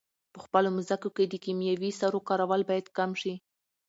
په خپلو مځکو کې د کیمیاوي سرو کارول باید کم شي.